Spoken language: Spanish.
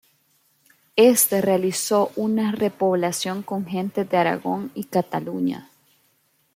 Este realizó una repoblación con gentes de Aragón y Cataluña.